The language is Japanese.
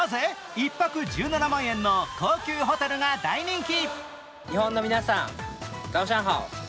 １泊１７万円の高級ホテルが大人気。